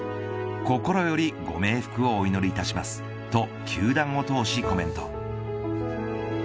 心よりご冥福をお祈りいたしますと球団を通しコメント。